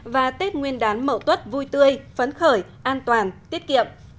và tết nguyên đán mậu tuất vui tươi phấn khởi an toàn tiết kiệm